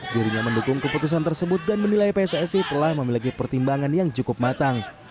dirinya mendukung keputusan tersebut dan menilai pssi telah memiliki pertimbangan yang cukup matang